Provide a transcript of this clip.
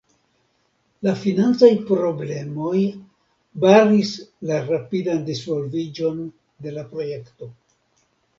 La financaj problemoj baris la rapidan disvolviĝon de la projekto.